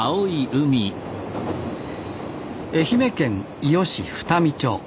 愛媛県伊予市双海町。